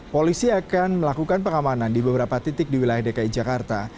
polisi akan melakukan pengamanan di beberapa titik di wilayah dki jakarta